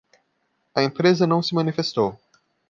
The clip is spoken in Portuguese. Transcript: A empresa não se manifestou